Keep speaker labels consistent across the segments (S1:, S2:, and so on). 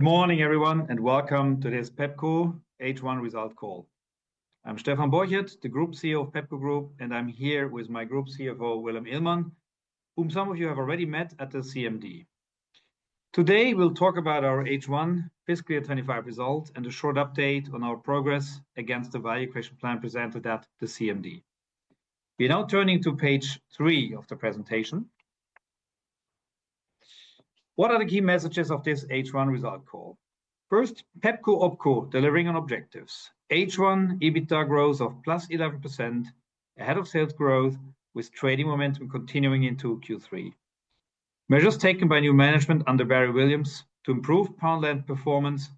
S1: Good morning, everyone, and welcome to this Pepco H1 result call. I'm Stephan Borchert, the Group CEO of Pepco Group, and I'm here with my Group CFO, Willem Eelman, whom some of you have already met at the CMD. Today, we'll talk about our H1 fiscal year 2025 results and a short update on our progress against the value creation plan presented at the CMD. We're now turning to page three of the presentation. What are the key messages of this H1 result call? First, Pepco Opco delivering on objectives. H1 EBITDA growth of +11% ahead of sales growth, with trading momentum continuing into Q3. Measures taken by new management under Barry Williams to improve Poundland performance,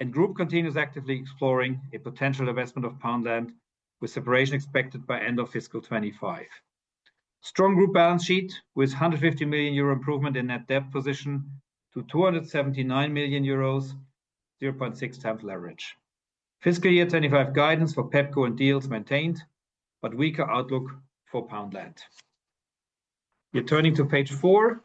S1: and Group continues actively exploring a potential investment of Poundland with separation expected by end of fiscal 2025. Strong group balance sheet with 150 million euro improvement in net debt position to 279 million euros, 0.6x leverage. Fiscal year 2025 guidance for Pepco and Dealz maintained, but weaker outlook for Poundland. We're turning to page four.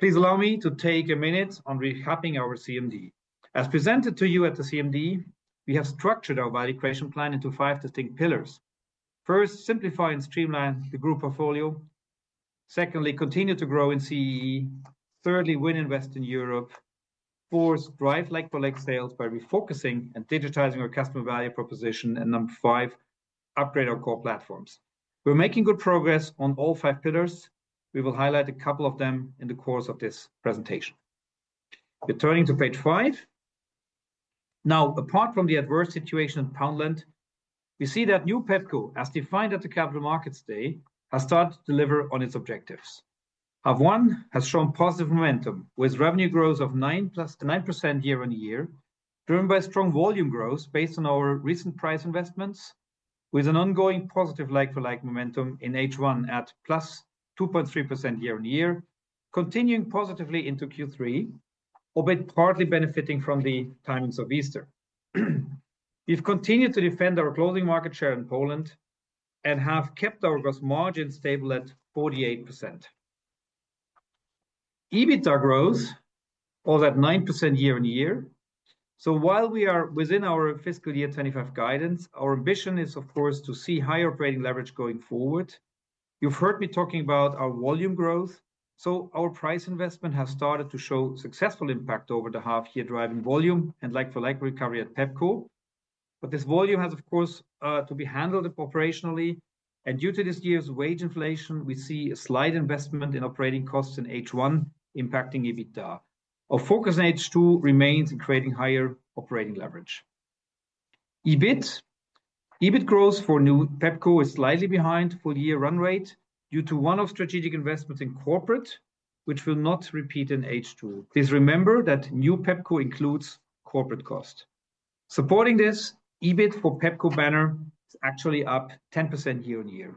S1: Please allow me to take a minute on recapping our CMD. As presented to you at the CMD, we have structured our value creation plan into five distinct pillars. First, simplify and streamline the Group portfolio. Secondly, continue to grow in CEE. Thirdly, win in Western Europe. Fourth, drive like-for-like sales by refocusing and digitizing our customer value proposition. And number five, upgrade our core platforms. We're making good progress on all five pillars. We will highlight a couple of them in the course of this presentation. We're turning to page five. Now, apart from the adverse situation in Poundland, we see that new Pepco, as defined at the Capital Markets Day, has started to deliver on its objectives. Half one has shown positive momentum with revenue growth of 9% year-on-year, driven by strong volume growth based on our recent price investments, with an ongoing positive like-for-like momentum in H1 at +2.3% year-on-year, continuing positively into Q3, albeit partly benefiting from the timings of Easter. We've continued to defend our closing market share in Poland and have kept our gross margin stable at 48%. EBITDA growth was at 9% year-on-year. While we are within our fiscal year 2025 guidance, our ambition is, of course, to see higher operating leverage going forward. You've heard me talking about our volume growth. Our price investment has started to show successful impact over the half-year, driving volume and leg-by-leg recovery at Pepco. This volume has, of course, to be handled operationally. Due to this year's wage inflation, we see a slight investment in operating costs in H1 impacting EBITDA. Our focus on H2 remains in creating higher operating leverage. EBIT growth for new Pepco is slightly behind full-year run rate due to one-off strategic investments in corporate, which will not repeat in H2. Please remember that new Pepco includes corporate cost. Supporting this, EBIT for Pepco banner is actually up 10% year-on-year.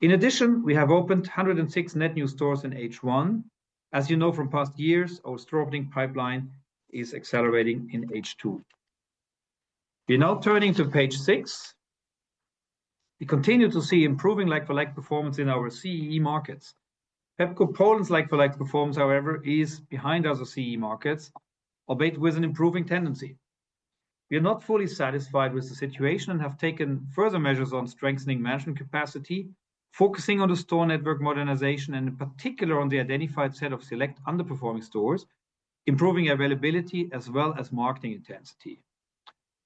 S1: In addition, we have opened 106 net new stores in H1. As you know from past years, our store opening pipeline is accelerating in H2. We are now turning to page six. We continue to see improving leg-by-leg performance in our CEE markets. Pepco Poland's leg-by-leg performance, however, is behind other CEE markets, albeit with an improving tendency. We are not fully satisfied with the situation and have taken further measures on strengthening management capacity, focusing on the store network modernization and in particular on the identified set of select underperforming stores, improving availability as well as marketing intensity.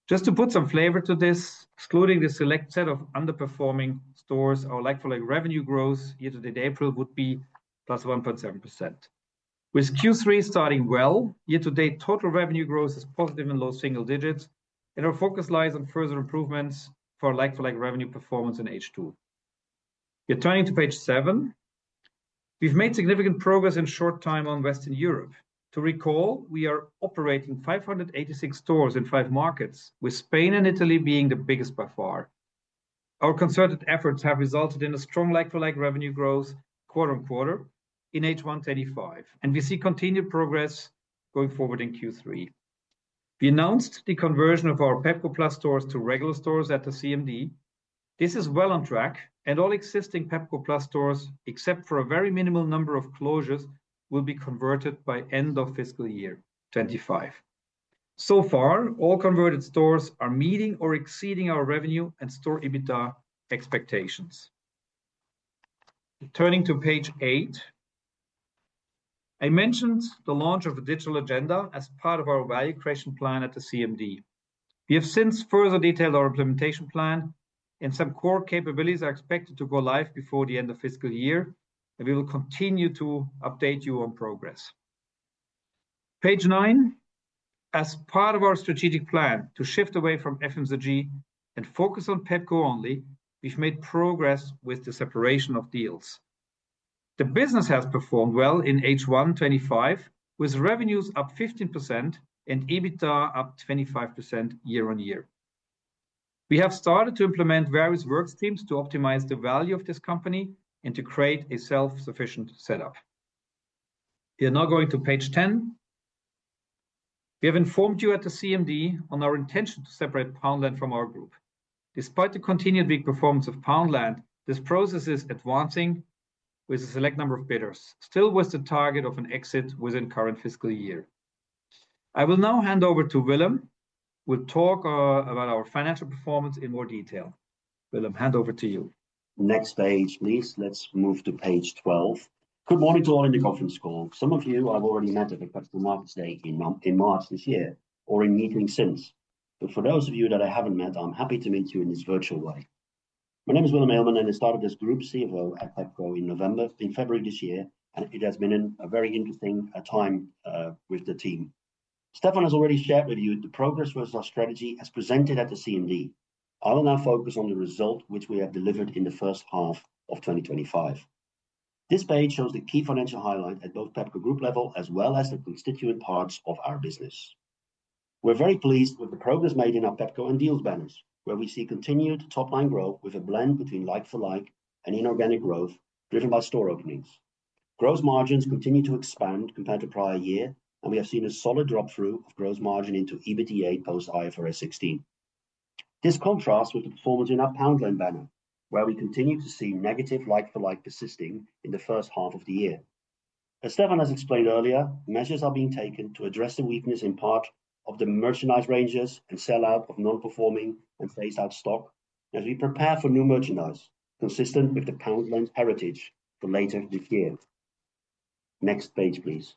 S1: Just to put some flavor to this, excluding the select set of underperforming stores, our leg-by-leg revenue growth year-to-date April would be +1.7%. With Q3 starting well, year-to-date total revenue growth is positive in low single digits, and our focus lies on further improvements for leg-by-leg revenue performance in H2. We're turning to page seven. We've made significant progress in short time on Western Europe. To recall, we are operating 586 stores in five markets, with Spain and Italy being the biggest by far. Our concerted efforts have resulted in a strong leg-by-leg revenue growth quarter-on-quarter in H1 2025, and we see continued progress going forward in Q3. We announced the conversion of our Pepco Plus stores to regular stores at the CMD. This is well on track, and all existing Pepco Plus stores, except for a very minimal number of closures, will be converted by end of fiscal year 2025. So far, all converted stores are meeting or exceeding our revenue and store EBITDA expectations. Turning to page eight, I mentioned the launch of a digital agenda as part of our value creation plan at the CMD. We have since further detailed our implementation plan, and some core capabilities are expected to go live before the end of fiscal year, and we will continue to update you on progress. Page nine, as part of our strategic plan to shift away from FMCG and focus on Pepco only, we have made progress with the separation of Dealz. The business has performed well in H1 2025, with revenues up 15% and EBITDA up 25% year-on-year. We have started to implement various work streams to optimize the value of this company and to create a self-sufficient setup. We are now going to page ten. We have informed you at the CMD on our intention to separate Poundland from our group. Despite the continued weak performance of Poundland, this process is advancing with a select number of bidders, still with the target of an exit within the current fiscal year. I will now hand over to Willem, who will talk about our financial performance in more detail. Willem, hand over to you.
S2: Next page, please. Let's move to page 12. Good morning to all in the conference call. Some of you I've already met at the Capital Markets Day in March this year or in meetings since. For those of you that I haven't met, I'm happy to meet you in this virtual way. My name is Willem Eelman, and I started as Group CFO at Pepco in November, in February this year, and it has been a very interesting time with the team. Stephan has already shared with you the progress for our strategy as presented at the CMD. I will now focus on the result which we have delivered in the first half of 2025. This page shows the key financial highlight at both Pepco Group level as well as the constituent parts of our business. We're very pleased with the progress made in our Pepco and Dealz banners, where we see continued top-line growth with a blend between like-for-like and inorganic growth driven by store openings. Gross margins continue to expand compared to prior year, and we have seen a solid drop-through of gross margin into EBITDA post-IFRS 16. This contrasts with the performance in our Poundland banner, where we continue to see negative like-for-like persisting in the first half of the year. As Stephan has explained earlier, measures are being taken to address the weakness in part of the merchandise ranges and sell-out of non-performing and phased-out stock as we prepare for new merchandise consistent with the Poundland heritage for later this year. Next page, please.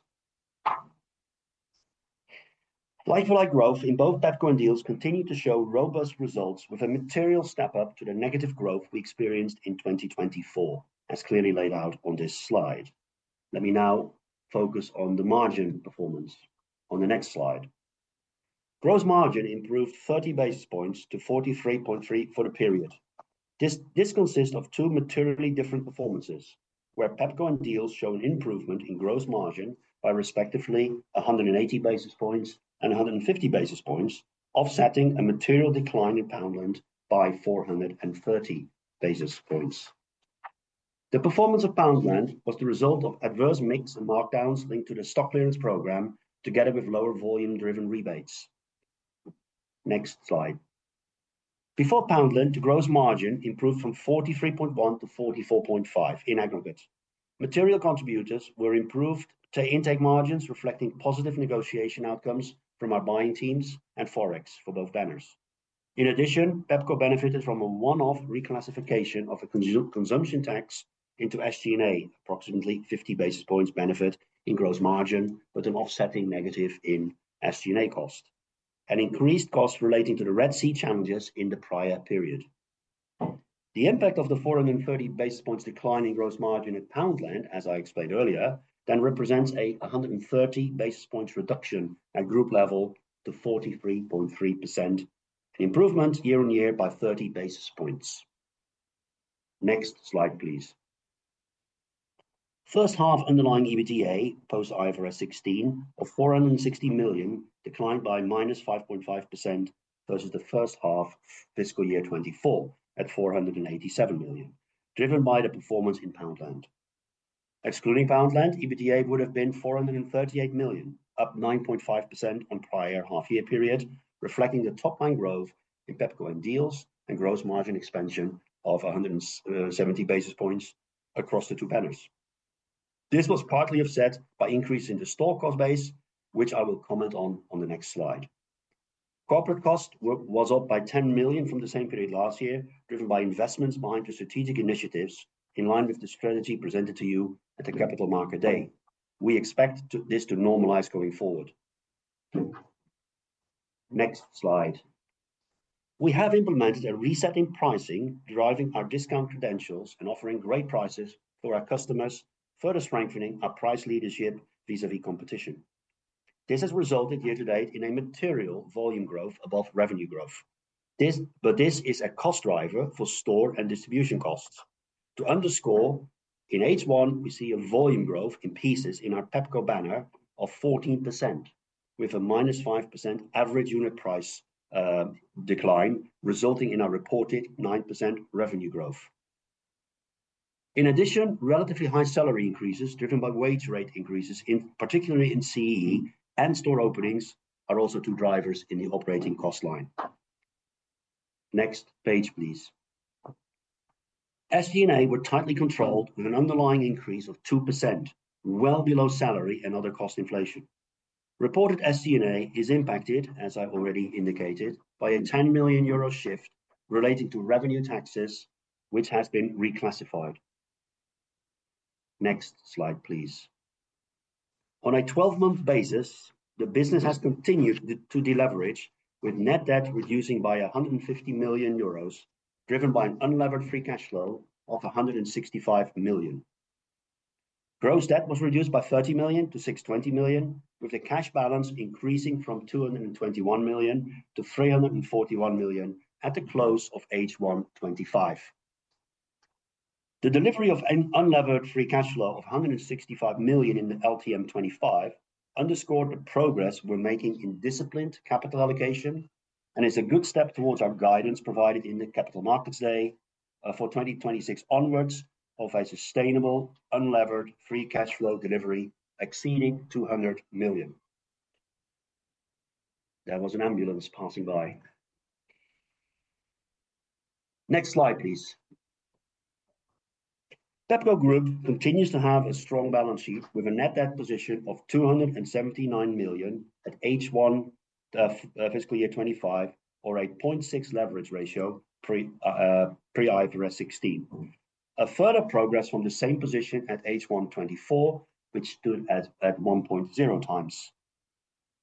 S2: Leg-by-leg growth in both Pepco and Dealz continues to show robust results with a material step-up to the negative growth we experienced in 2024, as clearly laid out on this slide. Let me now focus on the margin performance. On the next slide, gross margin improved 30 basis points to 43.3% for the period. This consists of two materially different performances, where Pepco and Dealz show an improvement in gross margin by respectively 180 basis points and 150 basis points, offsetting a material decline in Poundland by 430 basis points. The performance of Poundland was the result of adverse mix and markdowns linked to the stock clearance program together with lower volume-driven rebates. Next slide. Before Poundland, gross margin improved from 43.1-44.5 in aggregate. Material contributors were improved intake margins reflecting positive negotiation outcomes from our buying teams and forex for both banners. In addition, Pepco benefited from a one-off reclassification of a consumption tax into SG&A, approximately 50 basis points benefit in gross margin, with an offsetting negative in SG&A cost. An increased cost relating to the Red Sea challenges in the prior period. The impact of the 430 basis points decline in gross margin at Poundland, as I explained earlier, then represents a 130 basis points reduction at group level to 43.3%, an improvement year-on-year by 30 basis points. Next slide, please. First half underlying EBITDA post-IFRS 16 of 460 million declined by -5.5% versus the first half fiscal year 2024 at 487 million, driven by the performance in Poundland. Excluding Poundland, EBITDA would have been 438 million, up 9.5% on prior half-year period, reflecting the top-line growth in Pepco and Dealz and gross margin expansion of 170 basis points across the two banners. This was partly offset by increases in the store cost base, which I will comment on the next slide. Corporate cost was up by 10 million from the same period last year, driven by investments behind the strategic initiatives in line with the strategy presented to you at the Capital Markets Day. We expect this to normalize going forward. Next slide. We have implemented a resetting pricing, driving our discount credentials and offering great prices for our customers, further strengthening our price leadership vis-à-vis competition. This has resulted year-to-date in a material volume growth above revenue growth. This is a cost driver for store and distribution costs. To underscore, in H1, we see a volume growth in pieces in our Pepco banner of 14%, with a -5% average unit price decline resulting in our reported 9% revenue growth. In addition, relatively high salary increases driven by wage rate increases, particularly in CEE and store openings, are also two drivers in the operating cost line. Next page, please. SG&A were tightly controlled with an underlying increase of 2%, well below salary and other cost inflation. Reported SG&A is impacted, as I already indicated, by a 10 million euro shift relating to revenue taxes, which has been reclassified. Next slide, please. On a 12-month basis, the business has continued to deleverage, with net debt reducing by 150 million euros, driven by an unlevered free cash flow of 165 million. Gross debt was reduced by 30 million-620 million, with the cash balance increasing from 221 million-341 million at the close of H1 2025. The delivery of an unlevered free cash flow of 165 million in the LTM25 underscored the progress we're making in disciplined capital allocation and is a good step towards our guidance provided in the Capital Markets Day for 2026 onwards of a sustainable unlevered free cash flow delivery exceeding 200 million. There was an ambulance passing by. Next slide, please. Pepco Group continues to have a strong balance sheet with a net debt position of 279 million at H1 fiscal year 2025, or a 0.6 leverage ratio pre-IFRS 16. A further progress from the same position at H1 2024, which stood at 1.0x.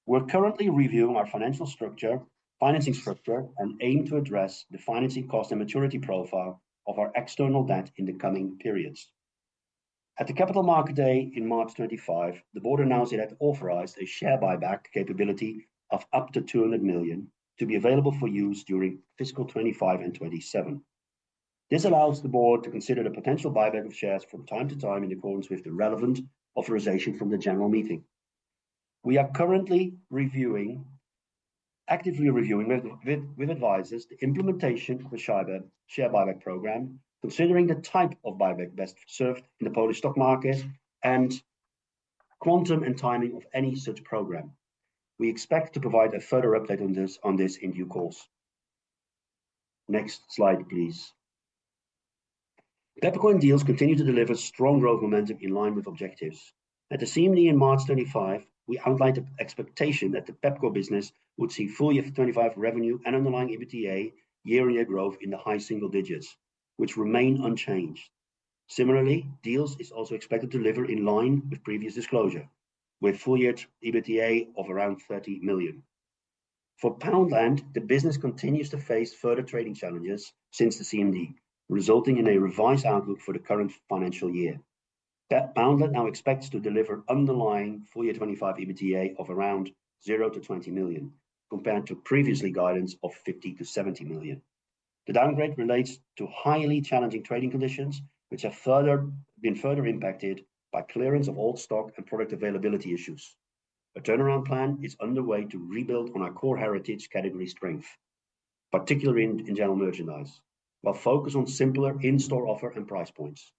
S2: We're currently reviewing our financial structure, financing structure, and aim to address the financing cost and maturity profile of our external debt in the coming periods. At the Capital Markets Day in March 2025, the Board announced it had authorized a share buyback capability of up to 200 million to be available for use during fiscal 2025 and 2027. This allows the Board to consider the potential buyback of shares from time to time in accordance with the relevant authorization from the general meeting. We are currently actively reviewing with advisors the implementation of the share buyback program, considering the type of buyback best served in the Polish stock market and quantum and timing of any such program. We expect to provide a further update on this in due course. Next slide, please. Pepco and Dealz continue to deliver strong growth momentum in line with objectives. At the CMD in March 2025, we outlined the expectation that the Pepco business would see full year 2025 revenue and underlying EBITDA year-on-year growth in the high single digits, which remain unchanged. Similarly, Dealz is also expected to deliver in line with previous disclosure, with full year EBITDA of around 30 million. For Poundland, the business continues to face further trading challenges since the CMD, resulting in a revised outlook for the current financial year. Poundland now expects to deliver underlying full year 2025 EBITDA of around 0 million-20 million, compared to previous guidance of 50 million-70 million. The downgrade relates to highly challenging trading conditions, which have been further impacted by clearance of old stock and product availability issues. A turnaround plan is underway to rebuild on our core heritage category strength, particularly in general merchandise, while focusing on simpler in-store offer and price points.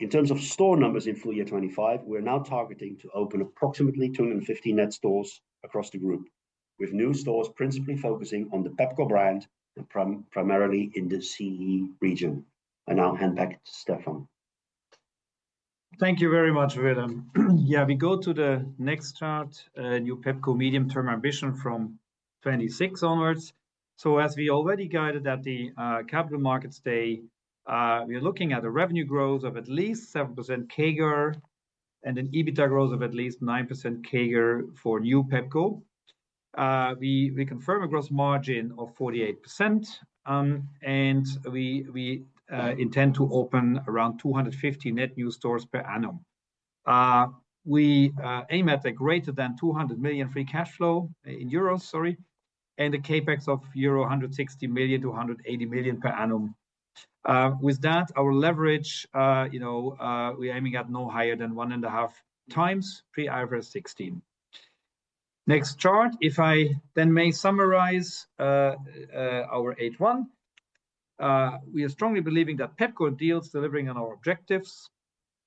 S2: In terms of store numbers in full year 2025, we're now targeting to open approximately 250 net stores across the Group, with new stores principally focusing on the Pepco brand and primarily in the CEE region. I now hand back to Stephan.
S1: Thank you very much, Willem. Yeah, we go to the next chart, new Pepco medium-term ambition from 2026 onwards. As we already guided at the Capital Markets Day, we're looking at a revenue growth of at least 7% CAGR and an EBITDA growth of at least 9% CAGR for new Pepco. We confirm a gross margin of 48%, and we intend to open around 250 net new stores per annum. We aim at a greater than 200 million free cash flow in euros, sorry, and a CapEx of 160 million-180 million euro per annum. With that, our leverage, we're aiming at no higher than one and a half times pre-IFRS 16. Next chart, if I then may summarize our H1. We are strongly believing that Pepco and Dealz are delivering on our objectives.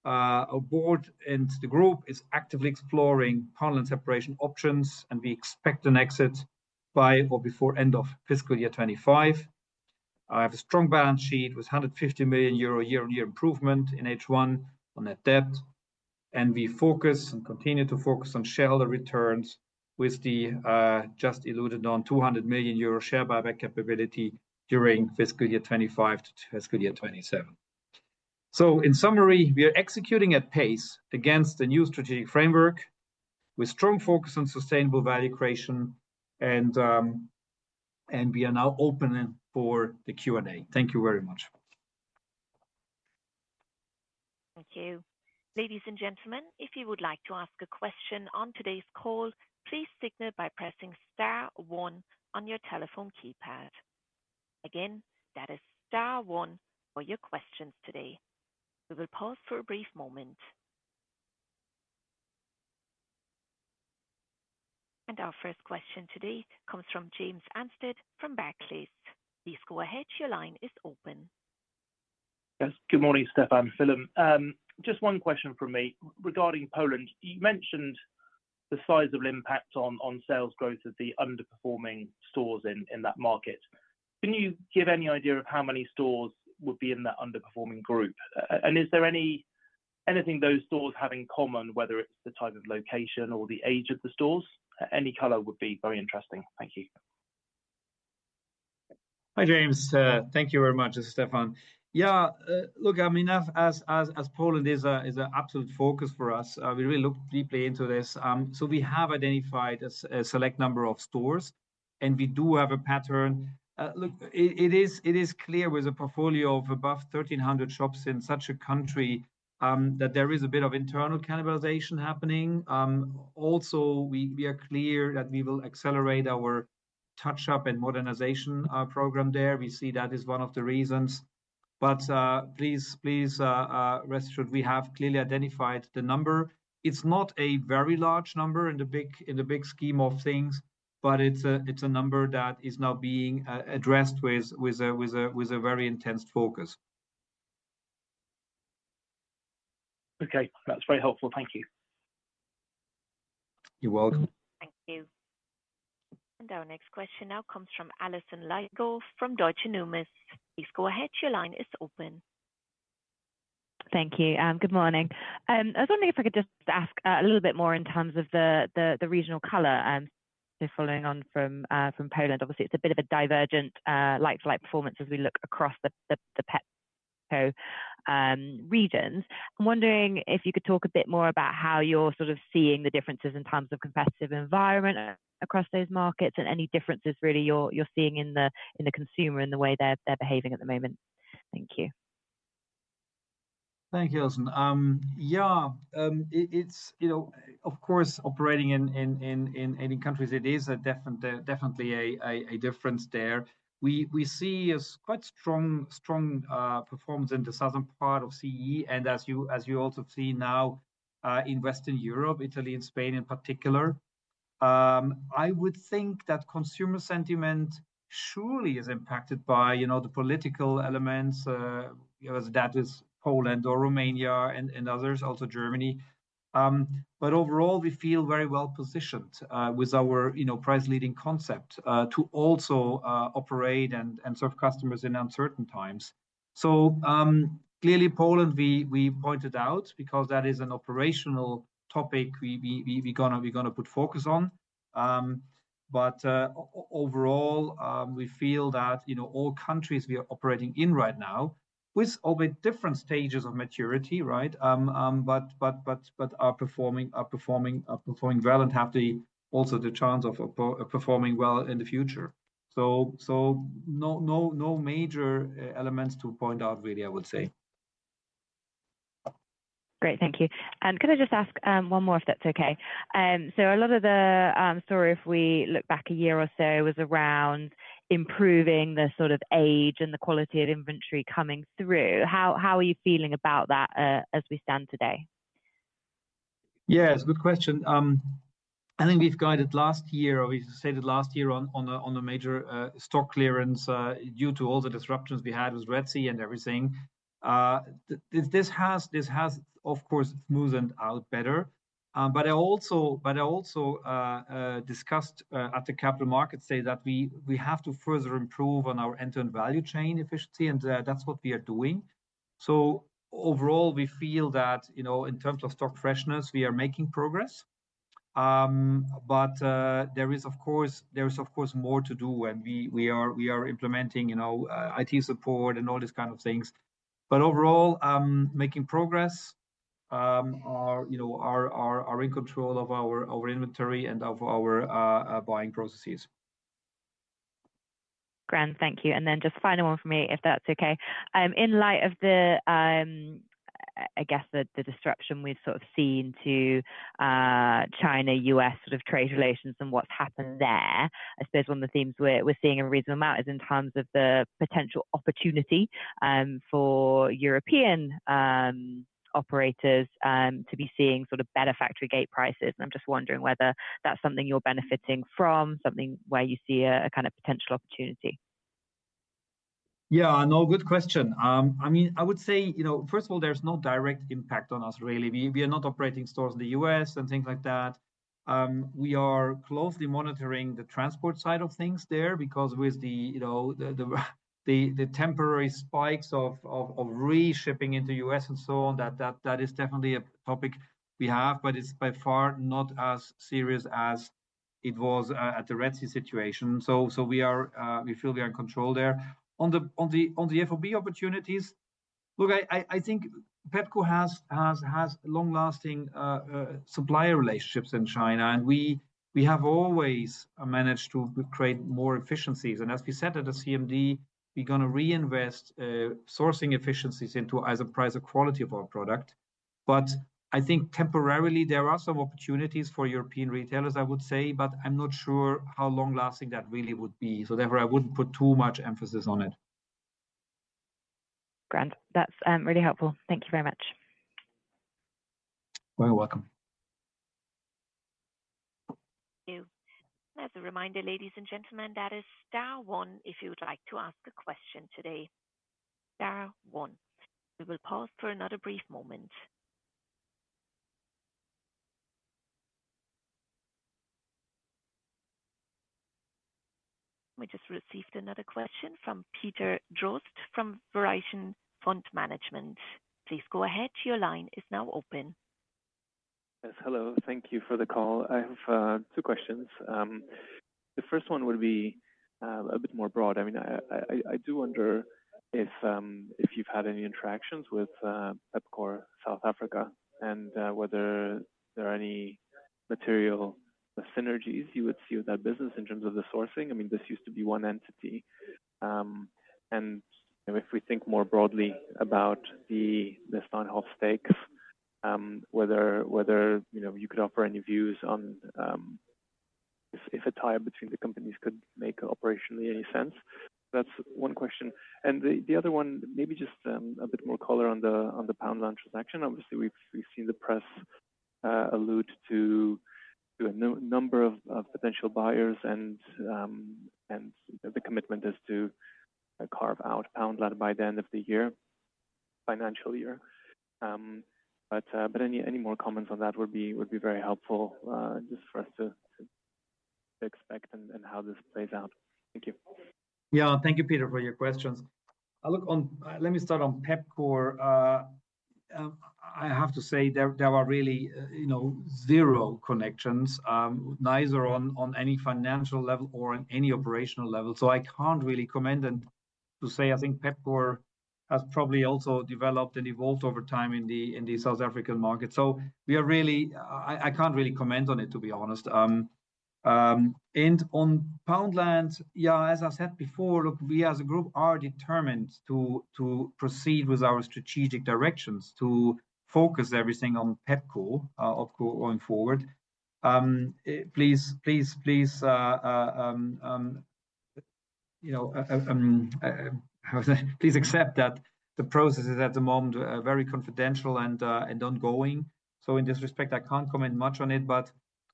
S1: Our Board and the Group are actively exploring Poundland separation options, and we expect an exit by or before the end of fiscal year 2025. I have a strong balance sheet with 150 million euro year-on-year improvement in H1 on net debt, and we focus and continue to focus on shareholder returns with the just eluded 200 million euro share buyback capability during fiscal year 2025 to fiscal year 2027. In summary, we are executing at pace against the new strategic framework with strong focus on sustainable value creation, and we are now open for the Q&A. Thank you very much.
S3: Thank you. Ladies and gentlemen, if you would like to ask a question on today's call, please signal by pressing star one on your telephone keypad. Again, that is star one for your questions today. We will pause for a brief moment. Our first question today comes from James Anstead from Barclays. Please go ahead. Your line is open.
S4: Good morning, Stephan. Willem, just one question from me regarding Poland. You mentioned the size of impact on sales growth of the underperforming stores in that market. Can you give any idea of how many stores would be in that underperforming group? Is there anything those stores have in common, whether it is the type of location or the age of the stores? Any color would be very interesting. Thank you.
S1: Hi, James. Thank you very much, Stephan. Yeah, look, I mean, as Poland is an absolute focus for us, we really look deeply into this. We have identified a select number of stores, and we do have a pattern. It is clear with a portfolio of above 1,300 shops in such a country that there is a bit of internal cannibalization happening. Also, we are clear that we will accelerate our touch-up and modernization program there. We see that is one of the reasons. Please, rest assured, we have clearly identified the number. It's not a very large number in the big scheme of things, but it's a number that is now being addressed with a very intense focus.
S4: Okay, that's very helpful. Thank you.
S1: You're welcome.
S3: Thank you. Our next question now comes from Alison Lygo from Deutsche Numis. Please go ahead. Your line is open.
S5: Thank you. Good morning. I was wondering if I could just ask a little bit more in terms of the regional color. Following on from Poland, obviously, it's a bit of a divergent like-for-like performance as we look across the Pepco regions. I'm wondering if you could talk a bit more about how you're sort of seeing the differences in terms of competitive environment across those markets and any differences really you're seeing in the consumer in the way they're behaving at the moment. Thank you.
S1: Thank you, Alison. Yeah, of course, operating in countries, it is definitely a difference there. We see a quite strong performance in the southern part of CEE, and as you also see now in Western Europe, Italy, and Spain in particular. I would think that consumer sentiment surely is impacted by the political elements, whether that is Poland or Romania and others, also Germany. Overall, we feel very well positioned with our price-leading concept to also operate and serve customers in uncertain times. Clearly, Poland, we pointed out because that is an operational topic we're going to put focus on. Overall, we feel that all countries we are operating in right now, with a bit different stages of maturity, right, but are performing well and have also the chance of performing well in the future. No major elements to point out really, I would say.
S5: Great. Thank you. Could I just ask one more if that's okay? A lot of the story, if we look back a year or so, was around improving the sort of age and the quality of inventory coming through. How are you feeling about that as we stand today?
S1: Yeah, it's a good question. I think we've guided last year, or we've stated last year on a major stock clearance due to all the disruptions we had with Red Sea and everything. This has, of course, smoothed out better. I also discussed at the Capital Markets Day that we have to further improve on our end-to-end value chain efficiency, and that's what we are doing. Overall, we feel that in terms of stock freshness, we are making progress. There is, of course, more to do, and we are implementing IT support and all these kinds of things. Overall, making progress, we are in control of our inventory and of our buying processes.
S5: Grand. Thank you. Just final one for me, if that's okay. In light of, I guess, the disruption we've sort of seen to China-U.S. sort of trade relations and what's happened there, I suppose one of the themes we're seeing a reasonable amount is in terms of the potential opportunity for European operators to be seeing sort of better factory gate prices. I'm just wondering whether that's something you're benefiting from, something where you see a kind of potential opportunity.
S1: Yeah, no, good question. I mean, I would say, first of all, there's no direct impact on us, really. We are not operating stores in the U.S. and things like that. We are closely monitoring the transport side of things there because with the temporary spikes of reshipping into the U.S. and so on, that is definitely a topic we have, but it's by far not as serious as it was at the Red Sea situation. We feel we are in control there. On the FOB opportunities, look, I think Pepco has long-lasting supplier relationships in China, and we have always managed to create more efficiencies. As we said at the CMD, we're going to reinvest sourcing efficiencies into either price or quality of our product. I think temporarily, there are some opportunities for European retailers, I would say, but I'm not sure how long-lasting that really would be. Therefore, I wouldn't put too much emphasis on it.
S5: Grand. That's really helpful. Thank you very much.
S1: You're welcome.
S3: Thank you. As a reminder, ladies and gentlemen, that is star one if you would like to ask a question today. Star one. We will pause for another brief moment. We just received another question from Peter Drozd from Verition Fund Management. Please go ahead. Your line is now open.
S6: Yes, hello. Thank you for the call. I have two questions. The first one would be a bit more broad. I mean, I do wonder if you've had any interactions with Pepco South Africa and whether there are any material synergies you would see with that business in terms of the sourcing. I mean, this used to be one entity. If we think more broadly about the Steinhoff stakes, whether you could offer any views on if a tie between the companies could make operationally any sense. That's one question. The other one, maybe just a bit more color on the Poundland transaction. Obviously, we've seen the press allude to a number of potential buyers, and the commitment is to carve out Poundland by the end of the year, financial year. Any more comments on that would be very helpful just for us to expect and how this plays out. Thank you.
S1: Yeah, thank you, Peter, for your questions. Let me start on Pepco. I have to say there are really zero connections, neither on any financial level or on any operational level. I can't really comment and to say I think Pepco has probably also developed and evolved over time in the South African market. I can't really comment on it, to be honest. On Poundland, yeah, as I said before, look, we as a group are determined to proceed with our strategic directions to focus everything on Pepco going forward. Please accept that the process is at the moment very confidential and ongoing. In this respect, I can't comment much on it, but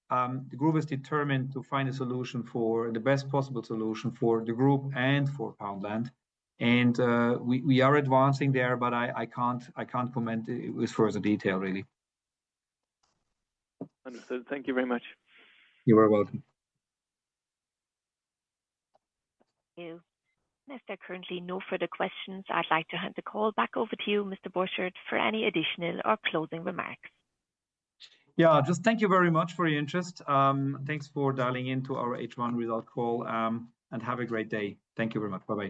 S1: the Group is determined to find a solution for the best possible solution for the Group and for Poundland. We are advancing there, but I can't comment with further detail, really.
S6: Understood. Thank you very much.
S1: You're welcome.
S3: Thank you. If there are currently no further questions, I'd like to hand the call back over to you, Mr. Borchert, for any additional or closing remarks.
S1: Yeah, just thank you very much for your interest. Thanks for dialing into our H1 result call, and have a great day. Thank you very much.